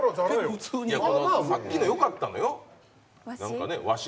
さっきのよかったのよ。